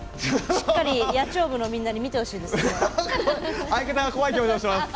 しっかり野鳥部のみんなに見てほしいですね。